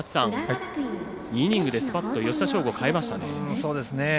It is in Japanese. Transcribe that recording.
２イニング、スパッと吉田匠吾を代えましたね。